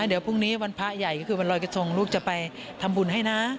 เดี๋ยวพรุ่งนี้วันพระใหญ่ก็คือวันรอยกระทงลูกจะไปทำบุญให้นะ